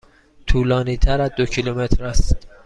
طولانی تر از دو کیلومتر است.